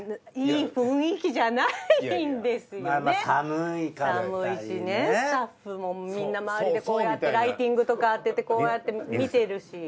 寒いしねスタッフもみんな周りでこうやってライティングとか当ててこうやって見てるし。